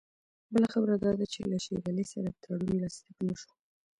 بله خبره دا ده چې له شېر علي سره تړون لاسلیک نه شو.